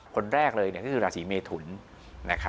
คนแรกเลยก็คือราศีเมทุน